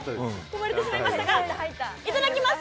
いただきます！